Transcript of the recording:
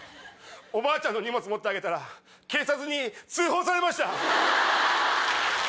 おばあちゃんの荷物持ったら警察に通報されました。